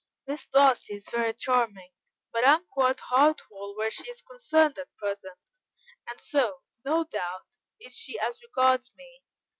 Miss Darcy is very charming, but I am quite heart whole where she is concerned at present, and so, no doubt, is she as regards me.